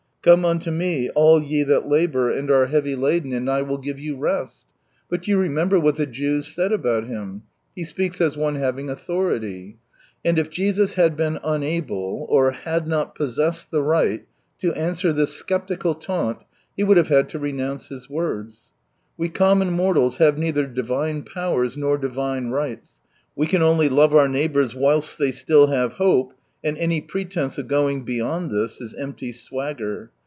" Come unto Me all ye, that labour and are heavy 2^3 laden, and I will give you rest." But you remember what the Jews said about Him: " He speaks as one having authority !" And if Jesus had been unable, or had not ■possessed the right, to answer this sceptical taunt. He would have had to renounce His words. We commmi mortals have neither divine powers nor divine rights, we can only love our neighbours whilst they still have hope, and any pretence of going beyond this is empty swagger.